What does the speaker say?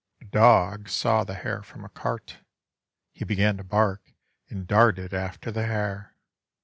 A dog saw the hare from a cart. He began to bark and darted after the hare.